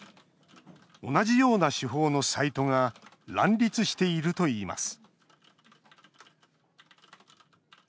同じような手法のサイトが乱立しているといいます